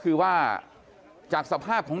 เพื่อนบ้านเจ้าหน้าที่อำรวจกู้ภัย